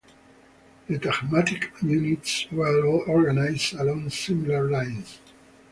The tagmatic units were all organized along similar lines.